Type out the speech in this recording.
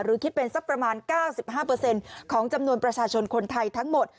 คิดเป็นสักประมาณ๙๕ของจำนวนประชาชนคนไทยทั้งหมด